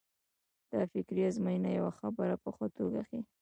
دا فکري ازموینه یوه خبره په ښه توګه ښيي.